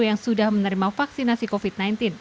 yang sudah menerima vaksinasi covid sembilan belas